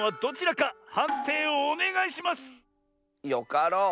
よかろう！